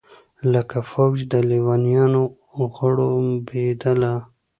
لکه فوج د لېونیانو غړومبېدله